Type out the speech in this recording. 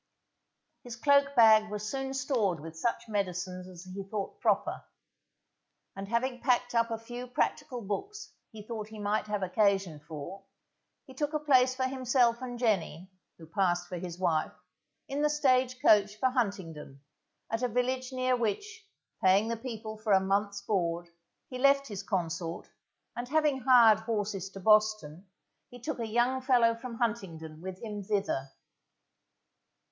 His cloak bag was soon stored with such medicines as he thought proper, and having packed up a few practical books he thought he might have occasion for, he took a place for himself and Jenny, who passed for his wife, in the stage coach for Huntingdon, at a village near which, paying the people for a month's board, he left his consort, and having hired horses to Boston, he took a young fellow from Huntingdon with him thither.